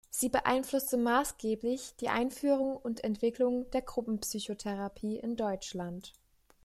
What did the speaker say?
Sie beeinflusste maßgeblich die Einführung und Entwicklung der Gruppenpsychotherapie in Deutschland.